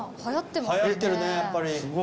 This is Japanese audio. はやってるねやっぱり。